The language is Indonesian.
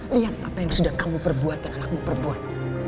lihat apa yang sudah kamu perbuat yang aku perbuat